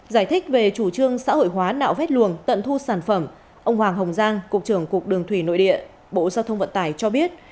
giải thích về chủ trương xã hội hóa nạo vét luồng tận thu sản phẩm ông hoàng hồng giang cục trưởng cục đường thủy nội địa bộ giao thông vận tải cho biết